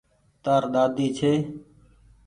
تآر ۮاۮي ڇي۔